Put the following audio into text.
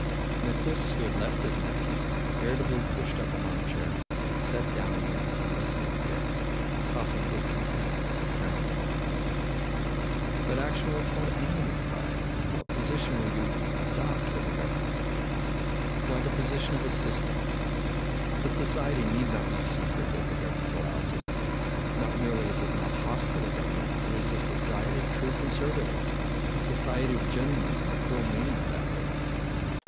Nicholas, who had left his nephew, irritably pushed up an armchair, sat down in it, and listened to Pierre, coughing discontentedly and frowning more and more. "But action with what aim?" he cried. "And what position will you adopt toward the government?" "Why, the position of assistants. The society need not be secret if the government allows it. Not merely is it not hostile to government, but it is a society of true conservatives—a society of gentlemen in the full meaning of that word.